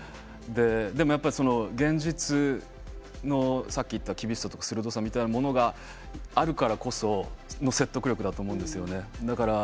でも現実のさっき言った厳しさとか鋭さみたいなものがあるからこその説得力だと思うんですよね。